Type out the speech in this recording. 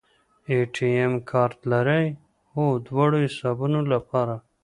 اے ټي ایم کارت لرئ؟ هو، دواړو حسابونو لپاره